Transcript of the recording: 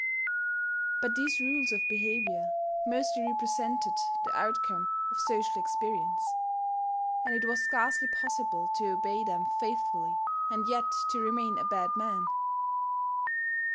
But these rules of behaviour mostly represented the outcome of social experience; and it was scarcely possible to obey them faithfully, and yet to remain a bad man.